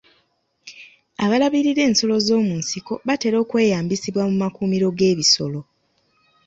Abalabirira ensolo z'omu nsiko batera okweyambisibwa mu makuumiro g'ebisolo.